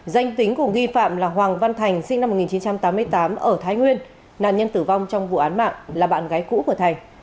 danh tính của nghi phạm là hoàng văn thành sinh năm một nghìn chín trăm tám mươi tám ở thái nguyên nạn nhân tử vong trong vụ án mạng là bạn gái cũ của thành